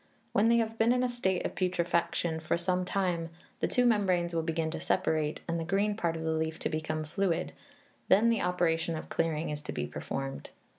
When they have been in a state of putrefaction for some time, the two membranes will begin to separate, and the green part of the leaf to become fluid; then the operation of clearing is to be performed.